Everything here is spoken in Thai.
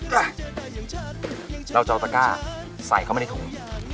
เราจะเอาตะก้าใส่เข้ามาในถุง